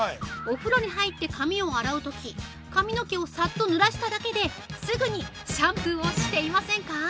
お風呂に入って髪を洗うとき、髪の毛をさっと濡らしただけで、すぐにシャンプーをしていませんか？